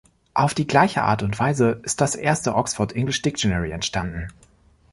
Auf die gleiche Art und Weise ist das erste Oxford English Dictionary entstanden.